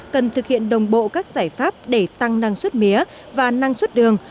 cần thực hiện đồng bộ các giải pháp để tăng năng suất mía và năng suất đường